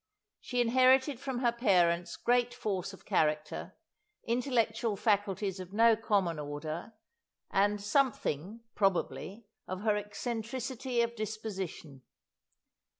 She inherited from her parents great force of character, intellectual faculties of no common order, and something, probably, of her eccentricity of disposition.